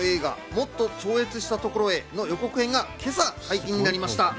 『もっと超越した所へ。』の予告編が今朝解禁になりました。